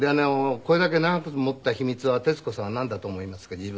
これだけ長く持った秘訣は徹子さんはなんだと思いますか？